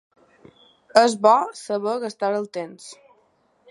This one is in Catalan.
És bo saber gastar el temps.